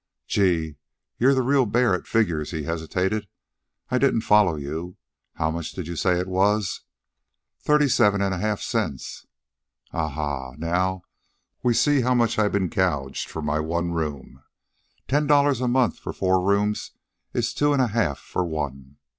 "Gee! You're the real bear at figures." He hesitated. "I didn't follow you. How much did you say it was?" "Thirty seven and a half cents." "Ah, ha! Now we'll see how much I've ben gouged for my one room. Ten dollars a month for four rooms is two an' a half for one.